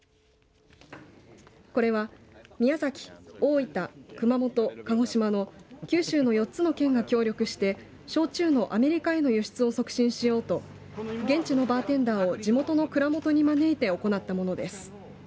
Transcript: これは宮崎、大分、熊本、鹿児島の九州の４つの県が協力して焼酎のアメリカへの輸出を促進しようと現地のバーテンダーを地元の蔵元に招いて行ったものです。